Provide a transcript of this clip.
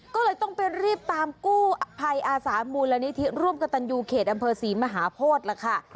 ก็เลยต้องไปรีบตามกู้ภัยอาสามูลนิธิร่วมกับตันยูเขตอำเภอศรีมหาโพธิล่ะค่ะ